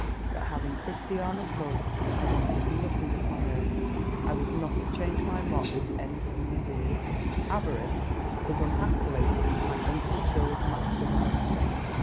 But, having Christiana's love, I wanted nothing upon earth. I would not have changed my lot with any human being. Avarice was, unhappily, my uncle Chill's master vice.